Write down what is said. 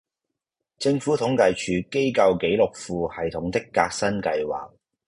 政府統計處機構記錄庫系統的革新計劃